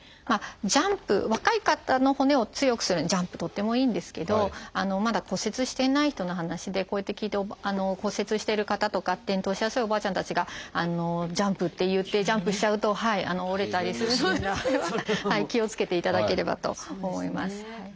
ジャンプ若い方の骨を強くするのにジャンプとってもいいんですけどまだ骨折していない人の話でこうやって聞いて骨折してる方とか転倒しやすいおばあちゃんたちがジャンプっていってジャンプしちゃうと折れたりするので気をつけていただければと思います。